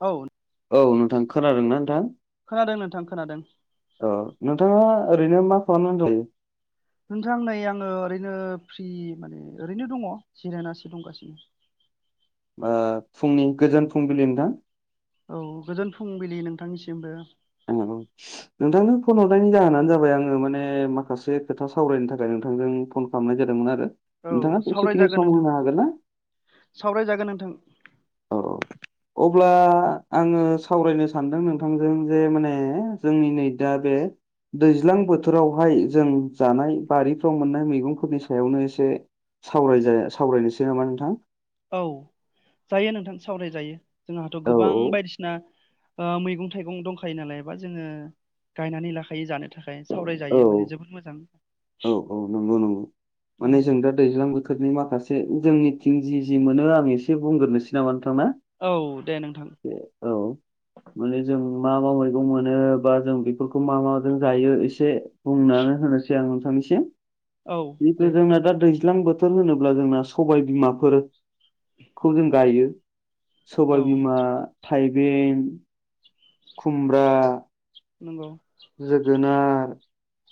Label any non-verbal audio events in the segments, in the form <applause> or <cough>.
औ औ नोंथां खोनादों ना नोंथां? खोनादों नोंथां खोनादों औ नोंथाङा ओरैनो मा खालामनै दं? नोंथां नै आङो ओरैनो फ्रि माने ओरैनो दङ जिरायनासो दंगासिनो फुंनि गोजोन फुंबिलि नोंथां औ गोजोन फुंबिलि नोंथांनिसिमबो ओं औ नोंथांनो फन हरनायनि जाहोनानो जाबाय आङो माने माखासे खोथा सावरायनो थाखाय नोंथांजों फन खालामनाय जादोंमोन आरो औ नोंथाङा एसेखिनि सावरायजागोन सम नोंथां होनो हागोन ना? सावरायजागोन नोंथां औ औ अब्ला आङो सावरायनो सानदों नोंथांजों जे माने जोंनि नै दा बे दैज्लां बोथोरावहाय जों जानाय बारिफ्राव मोननाय मैगंफोरनि सायावनो एसे सावरायजा सावरायनोसै नामा नोंथां? औ जायो नोंथां सावरायजायो जोंहाथ' औ गोबां बायदिसिना मैगं थाइगं दंखायो नालाय बा जोङो गायनानै लाखायो जानो थाखाय औ सावरायजायो माने जोबोद मोजां औ नंगौ नंगौ औ माने जों दा दैज्लां बोथोरनि माखासे जों मिथिं जि जि मोनो आं एसे बुंग्रोनोसै नामा नोंथां ना? औ दे नोंथां। औ माने जों मा मा मैगं मोनो बा जों बेफोरखौ मा माजों जायो एसे बुंनानै होनोसै आं नोंथांनिसिम औ दे जिन्थु जोंना दा दै ज्लां बोथोर होनोब्ला जोंना सबाय बिमाफोरखौ जों गायो औ सबायबिमा थाइबें खुमब्रा नंगौ जोगोनार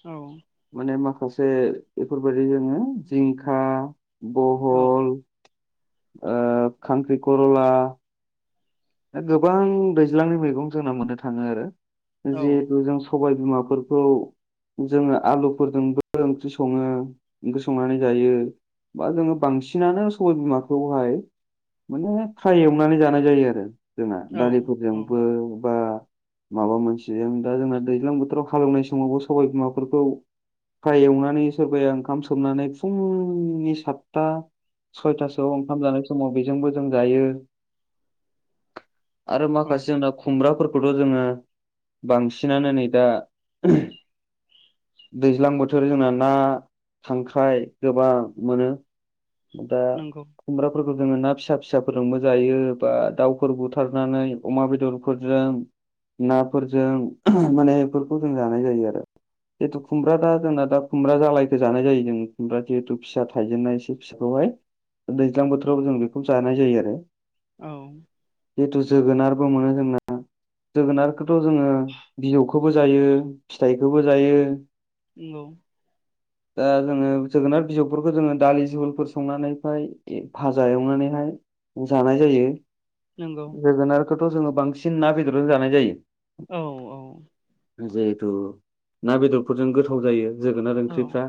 औ माने माखासे बेफोरबायदि जोङो जिंखा औ बहल ओ खांखिखरला गोबां दैज्लांनि मैगं जोंना मोननो थाङो आरो औ जिहेथु जों सबाय बिमाफोरखौ जोङो आलुफोरजोंबो ओंख्रि सङो ओंख्रि संनानै जायो बा जोङो बांसिनानो सबाय बिमाखौहाय माने फ्राय एवनानै जानाय जायो औ औ दालिफोरजोंबो बा माबा मोनसेजों दा जोंना दैज्लां बोथोराव हालेवनाय समावबो सबाय बिमाफोरखौ फाय एवनानै सोरबाया ओंखाम सोमनानै फुंनि सातथा सयथासोआव ओंखाम जानाय समाव बेजोंबो जों जायो आरो औ माखासे जोंना खुमब्राफोरखौथ' जोङो बांसिनानो नै दा दैज्लां बोथोर जोंना ना खांख्राइ गोबां मोनो दा नंगौ खुमब्राफोरखौ जोङो ना फिसा फिसाफोरजोंबो जायो बा दाउ फोर बुथारनानै अमा बेदरफोरजों नाफोरजों माने बेफोरखौ जों जानाय जायो आरो जिहेथु खुमब्रा दा जोंना दा खुमब्रा जालायखौ जानाय जायो जों खुमब्रा जिहेथु फिसा थायजेननाय एसे बिसोरखौहाय दैज्लां बोथोराव जों बेखौनो जानाय जायो आरो औ जिहेतु जोगोनारबो मोनो जोंना जोगोनारखौथ' जोङो बिजौ खौबो जायो फिथाइखौबो जायो नोंगौ <inaudible> दा जोङो जोगोनार बिजौफोरखौ जोङो दालि जहलफोर संनानै फाय भाजा एवनानैहाय जानाय जायो नंगौ जोगोनारखौथ' जोङो बांसिन ना बेदरजों जानाय जायो औ औ जिहेथु ना बेदरफोरजों गोथाव जायो जोगोनार औ ओंख्रिफ्रा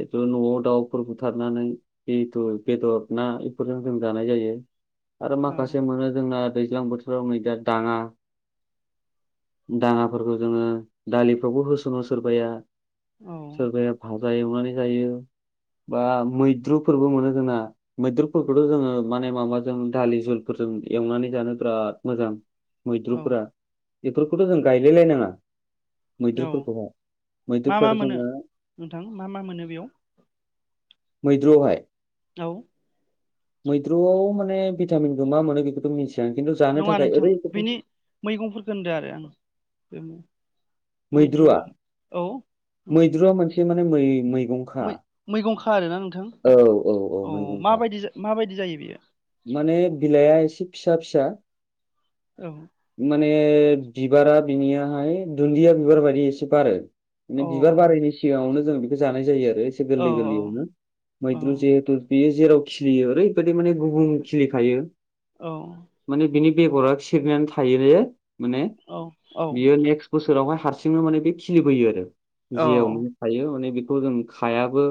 जिथु न'आव दाउफोर बुथारनानै जिथु बेदर ना बेफोरजों जों जानाय जायो आरो औ माखासे मोनो जोंना दैज्लां बोथोराव नै दा दाङा दाङाफोरखौ जोङो दालिफ्रावबो होसङो सोरबाया औ सोरबाया भाजा एवनानै जायो बा मैद्रुफोरबो मोनो जोंना मैद्रुफोरखौथ' जोङो माने माबाजों दालि जुलफोरजों एवनानै जानो बिराद मोजां औ मैद्रुफोरा बेफोरखौथ' जों गायलायलायनाङा औ मैद्रुफोरखौहाय मा मा मैदुफ्राथ' मोनो जोङो नोंथां मा मा मोनो बेयाव मैद्रुआवहाय औ मैद्रुआव माने भिटामिनखौ मा मोनो बेखौथ' मिथिया खिन्थु जानो नङा थाखाय नोंथां ओरैबायदि बेनि मैगंफोरखौ होनदो आरो आं बे मैद्रु मैद्रुआ औ मैद्रुआ मोनसे माने मैगं मै-मैगंखा आरोना नोंथां औ औ अ मैगंखा माबायदि माबायदि जायो बेयो? माने बिलाइआ एसे फिसा फिसा औ माने बिबारा बिनियाहाय दुन्दिया बिबार बायदि एसे बारो। माने औ बिबार बारैनि सिगाङावनो जों बेखौ जानाय जायो आरो एसे औ गोरलै गोरलैयावनो। औ मैद्रु जिहेथु बियो जेराव खिलियो ओरैबायदि माने गुबुं खिलिखायो औ माने बिनि बेगरा खिरिनानै थायो माने औ औ बियो नेक्स्ट बोसोरावहाय हारसिंनो माने बे खिलिबोयो आरो जेयाव ओ नो थायो माने बेखौ जों खायाबो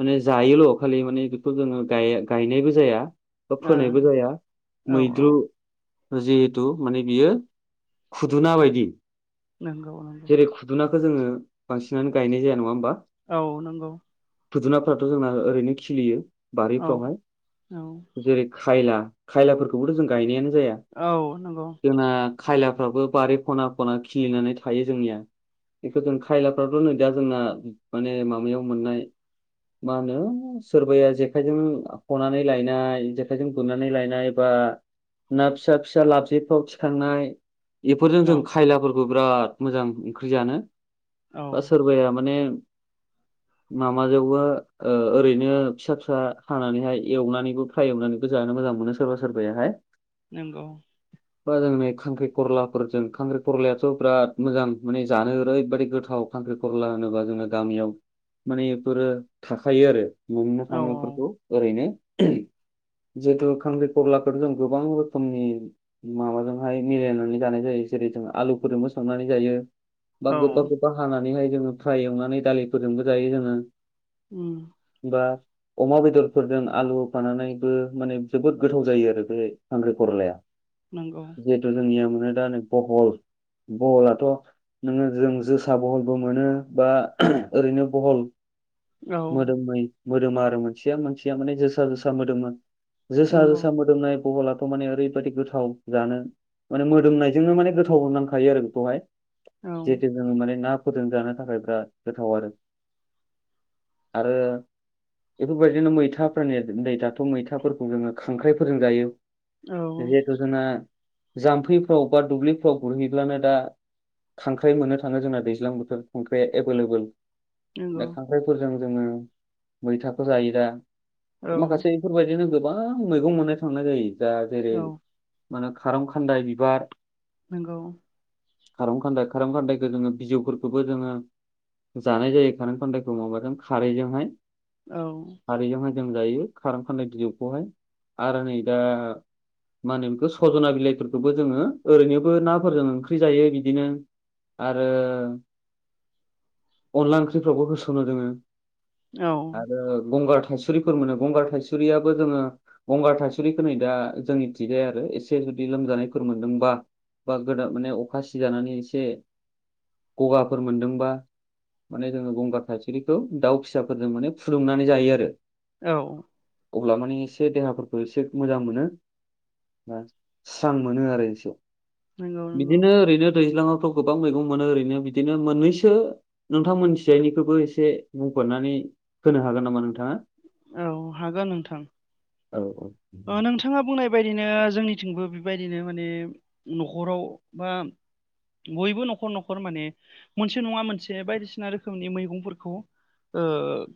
माने जायोल' खालि माने बेखौ जोङो गाया-गायनायबो जाया। औ फोनायबो जाया मैद्रु औ जिहेथु माने बियो खुदुना बायदि। नंगौ नंगौ जेरै खुदुनाखौ जोङो बांसिनानो गायनाय जाया नङा होमबा। औ नंगौ खुदुनाफ्राथ' जोंना ओरैनो खिलियो। औ बारिफ्रावहाय औ जेरै खायला खायलाफोरखौबोथ' जों गायनायानो जाया। औ नंगौ जोंना खायलाफ्राबो बारि खना खना खिलिनानै थायो जोंनिया। बेखौ जों खायलाफ्राथ' नै दा जोंना माने माबायाव मोननाय मा होनो सोरबाया जेखायजों हनानै लायनाय जेखाइजों गुरनानै लायनाय बा ना फिसा फिसा लाबजिफ्राव थिखांनाय। बेफोरजों जों औ खायलाफोरखौ बिराद मोजां ओंख्रि जानो औ बास सोरबाया माने माबाजोंबो ओ ओरैनो फिसा फिसा हानानैहाय एवनानैबो फ्राय एवनानैबो जानो मोजां मोनो सोरबा सोरबायाहाय। नंगौ <inaudible> बा जों नै खांख्रि खरलाफोरजों खांख्रि खरलायाथ' बिराद मोजां माने जानो ओरैबायादि गोथाव। खांख्रि खरला होनोबा जोङो गामियाव माने बेफोरो थाखायो आरो। मोननो औ थाङो बेफोरखौ ओरैनो। जिहेतु खांख्रि खफलाखौ जों गोबां रोखोमनि माबाजोंहाय मिलायनानै जानाय जायो जेरै जों आलुफोरजोंबो संनानै जायो। बा औ गोबा गोबबा हानानैहाय जोङो फ्राय एवनानै दालिफोरजोंबो जायो जोङो। उम बा अमा बेदरफोरजों आलु होफानानैबो माने जोबोद गोथाव जायो आरो बे खांख्रि खरलाया। नंगौ जिहेथु जोंनिया माने दा नै बहल बहलाथ' नोङो जों जोसा बहलबो मोनो बा ओरैनो बहल औ मोदोमै मोदोमा आरो मोनसेया मोनसेया माने जोसा जोसा मोदोमो। जोसा नंगौ जोसा मोदोमनाय बहला थ' माने ओरैबायादि गोथाव जानो माने मोदोमनायजोंनो माने गोथाव नांखायो आरो बेखौहाय। औ जिहेतु जोङो माने नाफोरजों जानो थाखाय बिराद गोथाव आरो। आरो बेफोरबायदिनो मैथाफोरनि नै दाथ' मैथाफोरखौ जोङो खांख्राइफोरजों जायो औ जिहेथु जोंना जाम्फैफ्राव बा दुब्लिफ्राव गुरहैब्लानो दा खांख्राइ मोननो थाङो जोंना दैज्लां बोथोर खांख्राइआ एभेलेबोल दा नंगौ खांख्राइफोरजों जोङो मैथाखौ जायो दा औ माखासे औ बेफोरबायदिनो गोबां मैगं मोननो थांनाय जायो जा जेरै मानो खाराम खान्दाय बिबार नोंगौ खारं खान्दाय खारं खान्दायखौ जोङो बिजौफोरखौबो जोङो जानाय जायो खारेन् खन्न्दायखौ माबाजों खारैजोंहाय औ हाय जों जायो खाराम खान्नाय बिजौखौहाय आरो नै दा मा होनो बेखौ सजना बिलाइफोरखौबो जोङो ओरैनोबो नाफोरजों ओंख्रि जायो बिदिनो आरो अनला ओंख्रिफ्रावबो होसननो जोङो औ आरो गंगार थाइसुरिफोर मोनो गंगार थाइसुरियाबो जोङो गंगार थासुरिखौ नै दा जोंनि थिंजाय आरो एसे जुदि लोमजानायफोर मोनदोंबा। बा गोदान माने अखा सिजानानै एसे गगाफोर मोनदोंबा माने जोङो गंगार थाइसुरिखौ दाउ फिसाफोरजों माने फुलुंनानै जायो आरो औ अब्ला माने एसे देहाफोरखौ एसे मोजां मोनो। स्रां मोनो आरो इसेयाव नंगौ नंगौ बिदिनो ओरैनो दैज्लाङावथ' गोबां मैगं मोनो ओरैनो बिदिनो मोननैसो नोंथां मोनिथिंजाय निखौबो एसे बुंफोरनानै होनो हागोन नामा नोंथाङा औ हागोन नोंथां। औ औ बिथाङा बुंनाय बायदिनो जोंनिथिंबो बेबायदिनो माने न'खराव बा बयबो न'खर न'खर माने मोनसे नङा मोनसे बायदिसिना रोखोमनि मैगंफोरखौ। ओ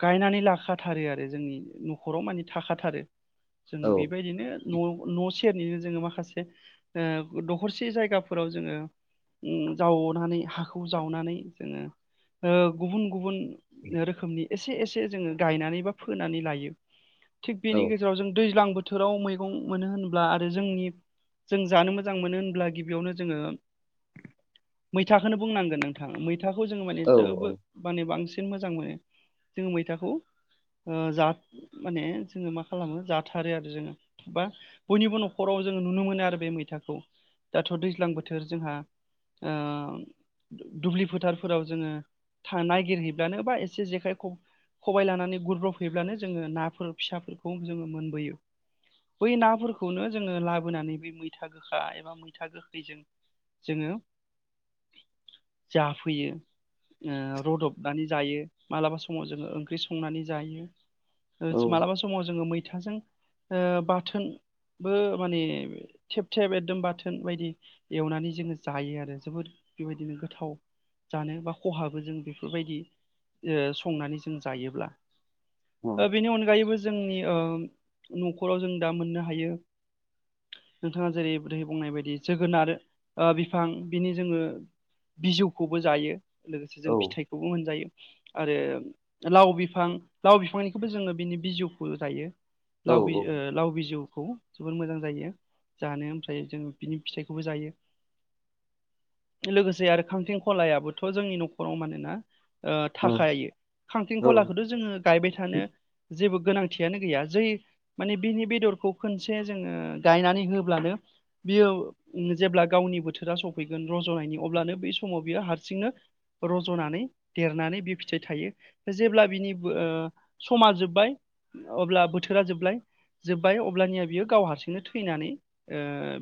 गायनानै लाखा थाथारो आरो जोंनि न'खराव माने थाखाथारो जों औ बेबायदिनो औ न' न' सेरनिनो जोङो माखासे दखरसे जायगाफोराव जोङो उम जावनानै हाखौ जावनानै जोङो ओ गुबुन गुबुन रोखोमनि एसे एसे जोङो गायनानै बा फोनानै लायो थिग बेनि गेजेराव जेराव जों दैज्लां बोथोराव मैगं मोनो होन्ला आरो जोंनि जों जानो मोजां मोनो होनब्ला गिबियावनो जोङो मैथाखौनो बुंनांगोन नोंथाङा मैथा। मैथाखौ जोङो माने औ जोबो माने बांसिन मोजां मोनो जोङो मैथाखौ ओ जा माने जोङो मा खालामो जाथारो आरो जोङो बा बयनिबो न'खराव जोङो नुनो मोनो आरो बे मैथाखौ दाथ' दैज्लां बोथोर जोंहा ओ दुब्लि फोथारफोराव जोङो थ नागिरहैब्लानो बा एसे जेखाय खबबाय लानानै। माने गुरब्रब फैयोब्लानो जोङो नाफोर फिसाफोरखौ जोङो मोनबोयो बै नाफोरखौनो जोङो लाबोनानै ब मैथा गोखा एबा मैथा गोखैजों जोङो जाफैयो। ओ रदब नानै जायो मालाबा समाव जोङो ओंख्रि स संनानै जायो औ ओ मालाबा समाव जोङो मैथाजों ओ बाथोन बो माने थेब थेब एकदम बाथोन बायदि एवनानै जोङो जायो आरो जोबोद बेबायदिनो गोथाव जानो बा खहाबो जों बेफोरबायदि संनानै जों गायोब्ला औ ओ बेनि अनगायैबो जोंनि न'खराव जों दा मोननो हायो नोंथाङा जेरै बहै बुंनाय बायदि जोगोनार बिफां बिनि जोङो बिजौखौबो जायो लोगोसे औ जों फिथाइखौबो मोनजायो आरो लाव बिफां लाव बिफांनिखौबो जोङो बिनि बिजौखौ दायो लाव बि ओ औ लाव बिजौखौ जोबोर मोजां जायो जानो ओमफ्राय जों बिनि फिथाइखौबो जायो। लोगोसे आरो खांथिं खलायाबोथ' जोंनि नख'राव मानोना। ओ थाखायो। औ खांख्रिंखलाखौथ' जोङो गायबाय थानो जेबो गोनांथियानो गैया। जै माने बिनि बेदरखौ खोनसे जोङो गायनानै होब्लानो बियो उम जेब्ला गावनि बोथोरा सौफैगोन रज'नायनि अब्लानो बै समाव बियो हारसिंनो रज'नानै देरनानै बे फिथाइ थायो। जेब्ला बिनि ओ समा जोब्बाय अब्ला बोथोरा जोब्बाय जोब्बाय अब्लानिया बियो गाव हारसिंनो थैनानै ओ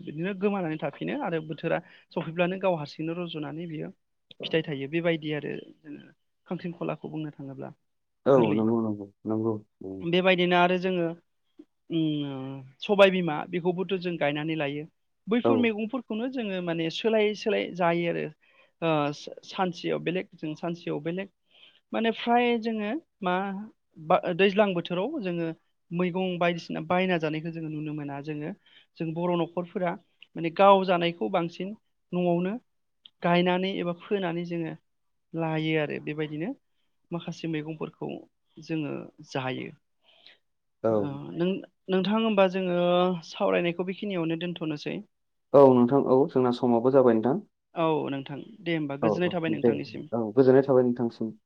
बिदिनो गोमानानै थाफिनो आरो बोथोरा सफैब्लानो गाव हारसिंनो रज'नानै बियो। फिथाइ थायो बेबायदि आरो जोङो खांख्रिं खलाखौ बुंनो थाङोब्ला। औ गोरलै नंगौ नंगौ नंगौ उम, बेबायदिनो आरो जोङो उम सबाय बिमा बेखौबोथ' जों गायनानै लायो। औ बैफोर मैगंफोरखौनो जोङो माने सोलायै सोलायै जायो आरो। ओ सानसेयाव बेलेग जों सानसेयाव बेलेग माने फ्राय जोङो मा बा दैज्लां बोथोराव जोङो मैगं बायदिसिना बायना जानायखौ जोङो नुनो मोना जोङो जों बर' नख'रफोरा माने गाव जानायखौ बांसिन न'आवनो गायनानै एबा फोनानै जोङो लायो आरो बेबायदिनो। माखासे मैगंफोरखौ जोङो जायो। औ ओ नों नोंथां होमबा जोङो सावरायनायखौ बेखिनियावनो दोनथ'नोसै। औ नोंथां औ जोंना समावबो जाबाय नोंथां। औ नोंथां दे होमबा औ गोजोननाय औ थाबाय दे नोंथांनिसिम दे औ। गोजोननाय थाबाय नोंथांनिसिम।